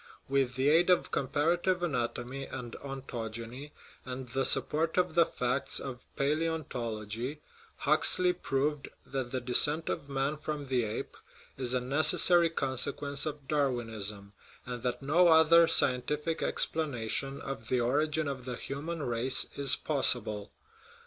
With the aid of comparative anatomy and ontogeny, and the support of the facts of palaeontology, Huxley proved that the " descent of man from the ape " is a necessary consequence of Darwinism, and that no other scientific explanation of the origin of the human race is possible.